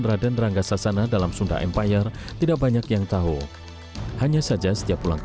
raden rangga sasana dalam sunda empire tidak banyak yang tahu hanya saja setiap pulang ke